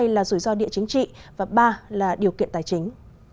hai là rủi ro địa chính trị và ba là điều kiện tài chính